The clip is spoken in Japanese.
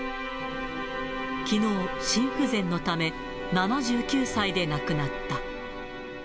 きのう、心不全のため７９歳で亡くなった。